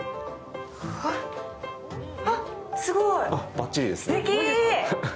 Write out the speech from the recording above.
ばっちりですね。